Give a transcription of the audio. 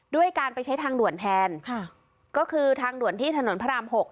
ด้วยการไปใช้ทางด่วนแทนค่ะก็คือทางด่วนที่ถนนพระรามหก